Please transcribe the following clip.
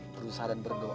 berusaha dan berdoa